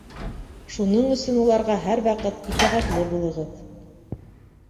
Шуның өсөн уларға һәр ваҡыт итәғәтле булығыҙ.